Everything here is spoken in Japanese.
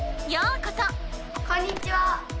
こんにちは！